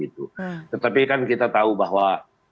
tetapi kan kita tahu bahwa